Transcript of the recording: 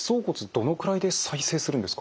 どのくらいで再生するんですか？